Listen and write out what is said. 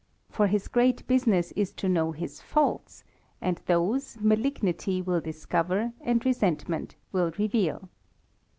For his great business is to know his faults, and those malignity will discover, and resentment will reveal.